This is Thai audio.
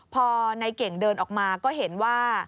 พอในเก่งเดินออกมาก็เห็นว่า